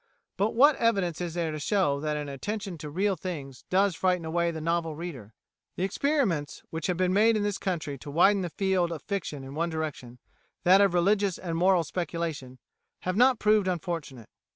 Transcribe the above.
But what evidence is there to show that an attention to real things does frighten away the novel reader. The experiments which have been made in this country to widen the field of fiction in one direction, that of religious and moral speculation, have not proved unfortunate.